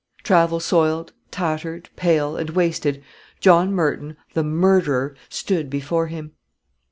Travel soiled, tattered, pale, and wasted, John Merton, the murderer, stood before him.